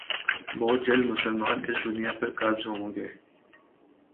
بہت جلد مسلمان اس دنیا پر قابض ہوں گے